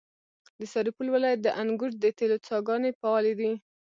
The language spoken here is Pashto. د سرپل ولایت د انګوت د تیلو څاګانې فعالې دي.